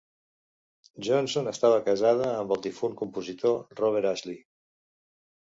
Johnson estava casada amb el difunt compositor Robert Ashley.